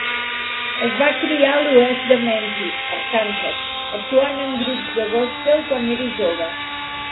Es va criar a l'oest de Memphis, Arkansas, actuant en grups de gospel quan era jove.